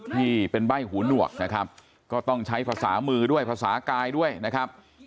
ที่เป็นใบ้หูหนวกนะครับก็ต้องใช้ภาษามือด้วยภาษากายด้วยนะครับ